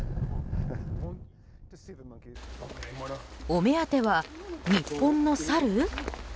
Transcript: お目当ては、日本のサル？